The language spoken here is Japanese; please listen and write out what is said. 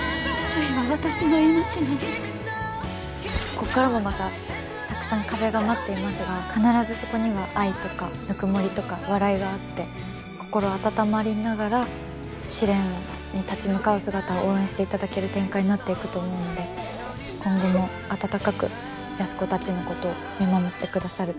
ここからもまたたくさん壁が待っていますが必ずそこには愛とかぬくもりとか笑いがあって心温まりながら試練に立ち向かう姿を応援していただける展開になっていくと思うので今後も温かく安子たちのことを見守ってくださるとうれしいです。